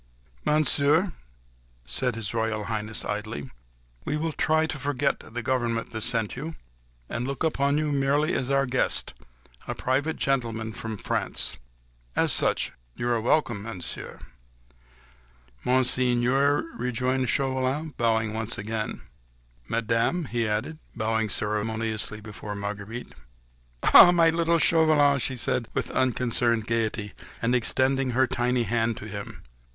"Monsieur," said His Royal Highness coldly, "we will try to forget the government that sent you, and look upon you merely as our guest—a private gentleman from France. As such you are welcome, Monsieur." "Monseigneur," rejoined Chauvelin, bowing once again. "Madame," he added, bowing ceremoniously before Marguerite. "Ah! my little Chauvelin!" she said with unconcerned gaiety, and extending her tiny hand to him.